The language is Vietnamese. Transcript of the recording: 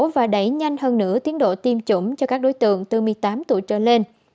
và đẩy nhanh hơn nữa tiến độ tiêm chủng cho các đối tượng từ một mươi tám tuổi trở lên